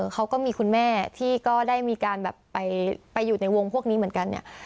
เขาก็มีคุณแม่ที่ก็ได้มีการแบบไปอยู่ในวงพวกนี้เหมือนกันเนี่ย